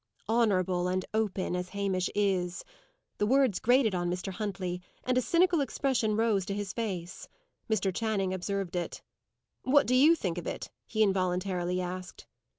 "Honourable and open as Hamish is!" the words grated on Mr. Huntley, and a cynical expression rose to his face. Mr. Channing observed it. "What do you think of it?" he involuntarily asked.